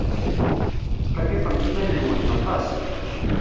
Tetqelliqemt iman-nwent aṭas.